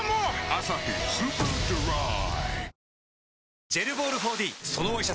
「アサヒスーパードライ」